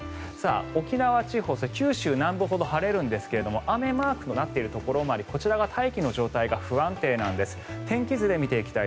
沖縄地方、九州南部ほど晴れるんですが雨マークとなっているところもありこちらは大気の状態が不安定なんです。